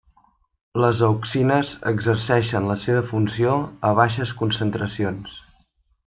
Les auxines exerceixen la seva funció a baixes concentracions.